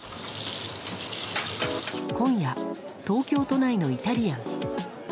今夜、東京都内のイタリアン。